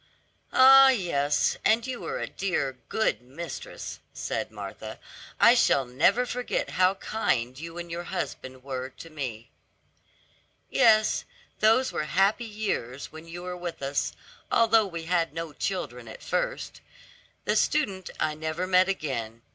"Ah, yes, and you were a dear, good mistress," said Martha, "I shall never forget how kind you and your husband were to me." "Yes, those were happy years when you were with us, although we had no children at first. The student I never met again.